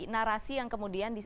narasi yang kemudian